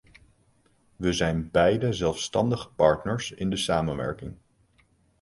We zijn beiden zelfstandige partners in de samenwerking.